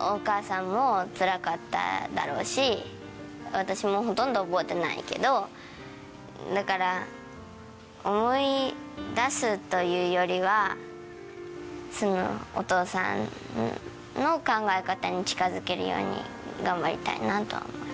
お母さんもつらかっただろうし、私もほとんど覚えてないけど、だから、思い出すというよりは、お父さんの考え方に近づけるように頑張りたいなと思います。